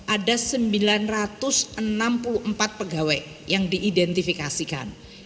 ada sembilan ratus enam puluh empat pegawai yang diidentifikasikan